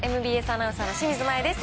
ＭＢＳアナウンサーの清水麻椰です。